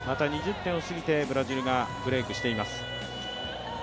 また２０点を過ぎてブラジルがブレイクしています。